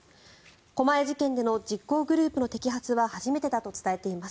狛江事件での実行グループの摘発は初めてと伝えています。